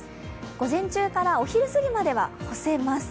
午前中からお昼すぎまでは干せます。